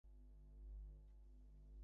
এটা বোকামি ছিল।